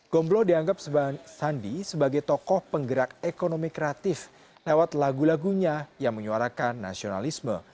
gomblo dianggap sandi sebagai tokoh penggerak ekonomi kreatif lewat lagu lagunya yang menyuarakan nasionalisme